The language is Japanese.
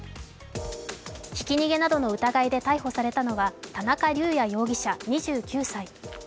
ひき逃げなどの疑いで逮捕されたのは、田中龍也容疑者２９歳。